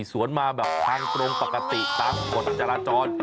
สวนมาแบบทางตรงปกติตามกฎจราจร